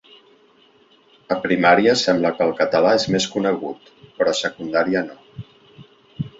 A primària sembla que el català és més conegut, però a secundària no.